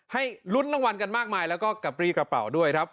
ให้ลุ้นรางวัลกันมากมายแล้วก็กระปรี้กระเป๋าด้วยครับ